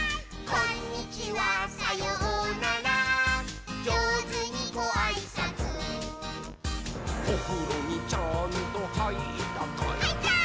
「こんにちはさようならじょうずにごあいさつ」「おふろにちゃんとはいったかい？」はいったー！